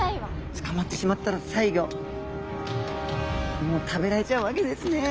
捕まってしまったら最後もう食べられちゃうわけですね。